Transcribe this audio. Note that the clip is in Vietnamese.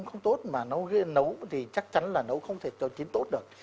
nó không tốt mà nấu thì chắc chắn là nấu không thể tiến tốt được